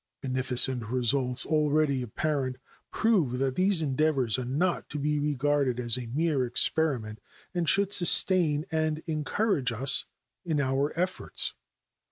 Beneficent results, already apparent, prove that these endeavors are not to be regarded as a mere experiment, and should sustain and encourage us in our efforts.